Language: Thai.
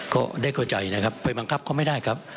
ก็ได้เข้าใจนะครับไปบังคับเขาไม่ได้ครับ